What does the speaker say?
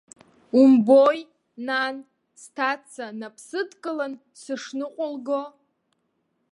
Умбои, нан, сҭаца нап сыдкылан сышныҟәылго?